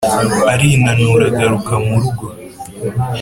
arinanura agaruka mu rugo.